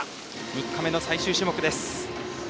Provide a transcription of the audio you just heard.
３日目の最終種目です。